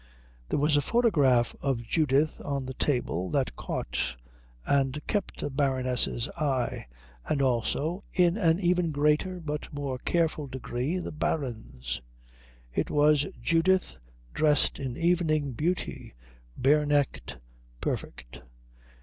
There was a photograph of Judith on the table that caught and kept the Baroness's eye and also, in an even greater but more careful degree, the Baron's. It was Judith dressed in evening beauty, bare necked, perfect.